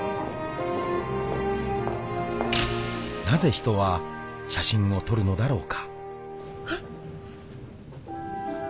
［なぜ人は写真を撮るのだろうか？］